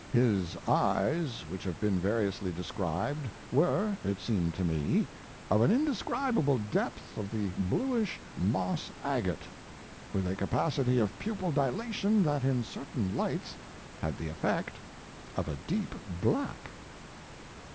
His eyes, which have been variously described, were, it seemed to me, of an indescribable depth of the bluish moss agate, with a capacity of pupil dilation that in certain lights had the effect of a deep black....